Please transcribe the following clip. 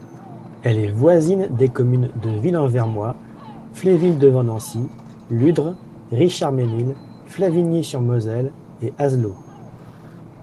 Elle est voisine des communes de Ville-en-vermois, Fléville-devant-Nancy, Ludres, Richardménil, Flavigny-sur-Moselle et Azelot.